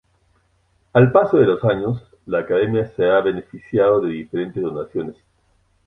Al paso de los años, la Academia se ha beneficiado de diferentes donaciones.